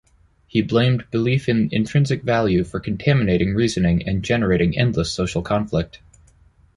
He blamed belief in intrinsic value for contaminating reasoning and generating endless social conflict.